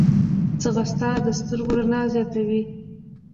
ځغاسته د سترګو رڼا زیاتوي